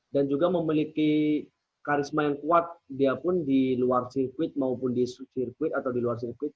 dan juga memiliki karisma yang kuat dia pun di luar sirkuit maupun di sirkuit atau di luar sirkuit